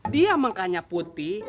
dia mangkanya putih